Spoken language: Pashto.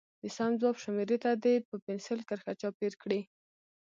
د سم ځواب شمیرې ته دې په پنسل کرښه چاپېر کړي.